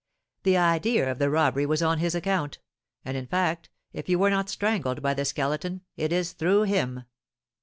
The idea of the robbery was on his account; and, in fact, if you were not strangled by the Skeleton, it is through him."